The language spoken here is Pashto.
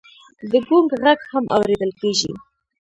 د ګونګ غږ هم اورېدل کېږي.